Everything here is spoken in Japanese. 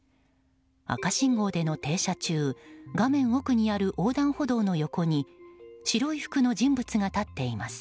赤信号での停車中画面奥にある横断歩道の横に白い服の人物が立っています。